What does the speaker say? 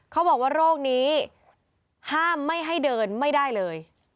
เขาบอกว่าโรคนี้ห้ามไม่ให้เดินไม่ได้เลย